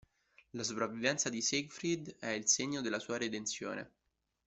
La sopravvivenza di Siegfried è il segno della sua redenzione.